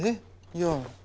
いや。